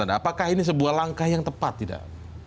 apakah ini sebuah langkah yang tepat tidak